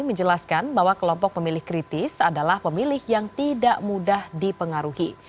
menjelaskan bahwa kelompok pemilih kritis adalah pemilih yang tidak mudah dipengaruhi